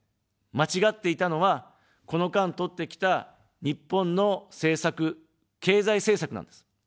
間違っていたのは、この間とってきた日本の政策、経済政策なんです。